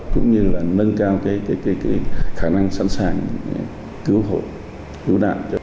cũng như là nâng cao khả năng sẵn sàng cứu hộ cứu nạn